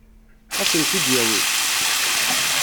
Ad sent-t-id-yawi?